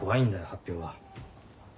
発表は。